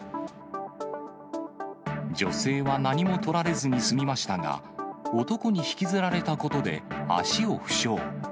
女性は何もとられずに済みましたが、男に引きずられたことで足を負傷。